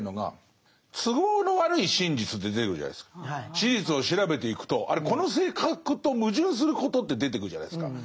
史実を調べていくとこの性格と矛盾することって出てくるじゃないですか。